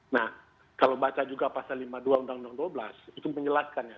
nah kalau baca juga pasal lima puluh dua undang undang dua belas itu menjelaskannya